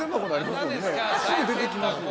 すぐ出てきますよ